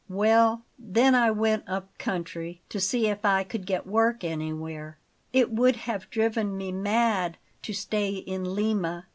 "Well, then I went up country, to see if I could get work anywhere it would have driven me mad to stay in Lima.